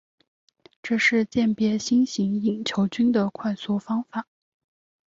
这是鉴别新型隐球菌的快速方法。